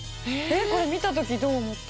これ見た時どう思った？